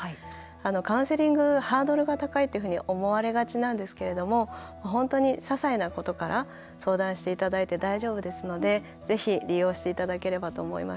カウンセリングハードルが高いというふうに思われがちなんですが本当にささいなことから相談していただいて大丈夫ですのでぜひ、利用していただければと思います。